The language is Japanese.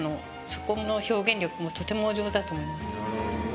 そこの表現力もとてもお上手だと思います。